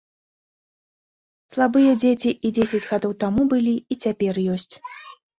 Слабыя дзеці і дзесяць гадоў таму былі, і цяпер ёсць.